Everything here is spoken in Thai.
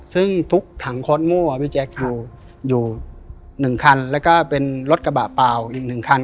ซึ่งทุกถังโค้ดโม่พี่แจ๊คอยู่๑คันแล้วก็เป็นรถกระบะเปล่าอีก๑คัน